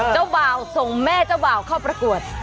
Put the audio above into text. เจ้าบ่าวส่งแม่เจ้าบ่าวเข้าประกวด